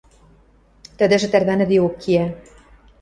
Тӹдӹжӹ тӓрвӓнӹдеок киӓ.